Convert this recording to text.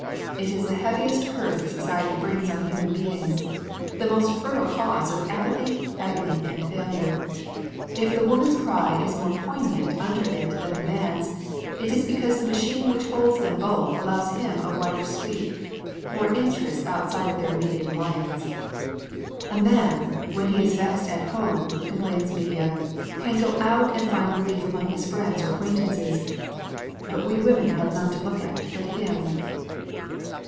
It is the heaviest curse society brings on human beings the most fertile cause of apathy, agony, and failure. If the woman's cry is more poignant under it than the man's, it is because the machine which holds them both allows him a wider sweep, more interests outside of their immediate alliance. "A man, when he is vexed at home," complains Medea, "can go out and find relief among his friends or acquaintances, but we women have none to look at but him."